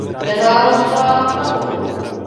Nenáročná na polohu.